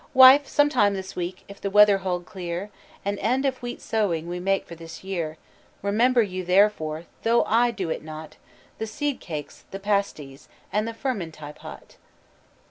"Wife, some time this weeke, if the wether hold cleere, An end of wheat sowing we make for this yeare. Remember you, therefore, though I do it not, The seed cake, the Pasties, and Furmentie pot."